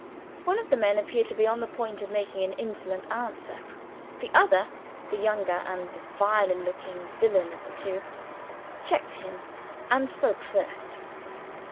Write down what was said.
One of the men appeared to be on the point of making an insolent answer. The other the younger and the viler looking villain of the two checked him, and spoke first.